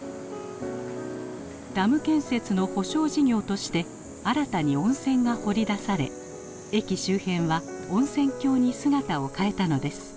ダム建設の補償事業として新たに温泉が掘り出され駅周辺は温泉郷に姿を変えたのです。